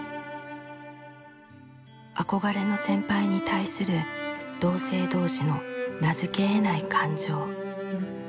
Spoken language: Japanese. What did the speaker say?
憧れの先輩に対する同性同士の名付けえない感情。